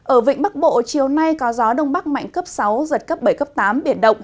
ở vịnh bắc bộ chiều nay có gió đông bắc mạnh cấp sáu giật cấp bảy cấp tám biển động